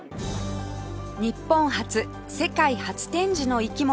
日本初世界初展示の生き物